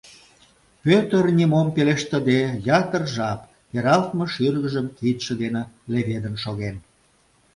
Пӧтыр, нимом пелештыде, ятыр жап пералтме шӱргыжым кидше дене леведын шоген.